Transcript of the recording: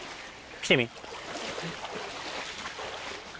来てみ。